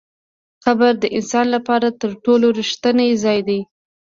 قبر د انسان لپاره تر ټولو رښتینی ځای دی.